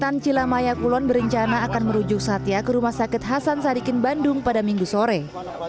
kecamatan cilamaya kulon berencana akan merujuk satya ke rumah sakit hasan sadikin bandung pada minggu sore